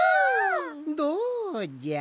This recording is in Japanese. どうじゃ？